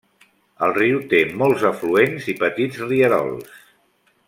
El riu té molts afluents i petits rierols.